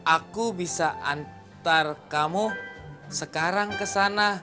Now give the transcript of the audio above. aku bisa antar kamu sekarang kesana